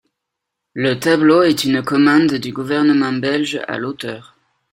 Le tableau est une commande du gouvernement belge à l'auteur.